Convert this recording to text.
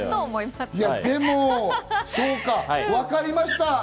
そうか分かりました。